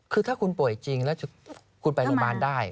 คือถ้าคุณป่วยจริงแล้วคุณไปโรงพยาบาลได้